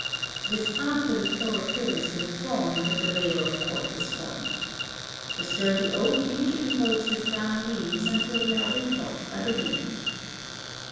It is after the chlorophyll is withdrawn that the layer of cork is formed. The sturdy oak usually holds his brown leaves until they are whipped off by the wind.